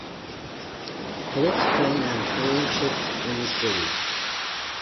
Cadets train on training ships in the city.